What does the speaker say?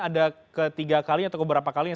ada ketiga kalinya atau keberapa kalinya